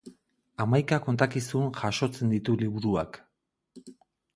Hamaika kontakizun jasotzen ditu liburuak.